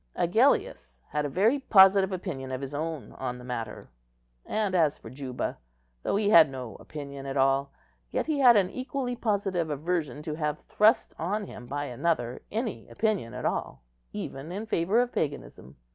Agellius had a very positive opinion of his own on the matter; and as for Juba, though he had no opinion at all, yet he had an equally positive aversion to have thrust on him by another any opinion at all, even in favour of paganism.